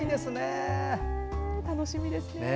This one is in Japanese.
楽しみですね。